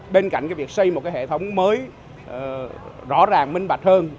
bên cạnh việc xây một cái hệ thống mới rõ ràng minh bạch hơn